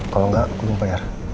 kalau enggak aku mau bayar